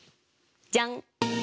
じゃん！